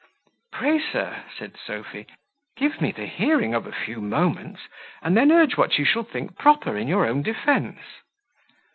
"Pray, sir," said Sophy, "give me the hearing for a few moments, and then urge what you shall think proper in your own defence."